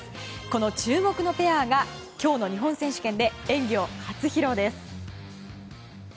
この注目のペアが今日の日本選手権で演技を初披露です。